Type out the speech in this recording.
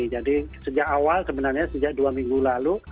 jadi sejak awal sebenarnya sejak dua minggu lalu